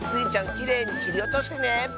きれいにきりおとしてね！